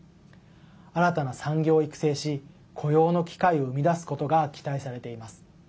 新たな産業を育成し雇用の機会を生み出すことが期待されています。